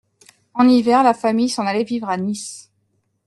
En hiver, la famille s’en allait vivre à Nice.